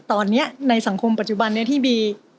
ตอนนี้ในสังคมปัจจุบันนี้ที่บี